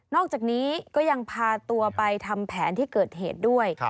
อกจากนี้ก็ยังพาตัวไปทำแผนที่เกิดเหตุด้วย